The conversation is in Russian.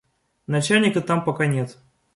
Начальника там пока нет.